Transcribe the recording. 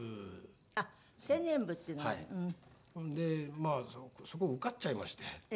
まあそこ受かっちゃいまして。